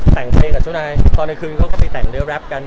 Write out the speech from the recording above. แต่งเพลงกับเจ้านายตอนกลางคืนเขาก็ไปแต่งเรียแรปกัน